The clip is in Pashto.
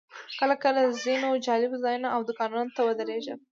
کله کله ځینو جالبو ځایونو او دوکانونو ته ودرېږم.